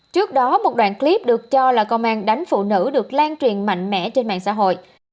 trước đó một đoạn clip được cho là công an đánh phụ nữ được lan truyền mạnh mẽ trên mạng xã hội